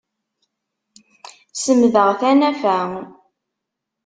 Semdeɣ tanafa.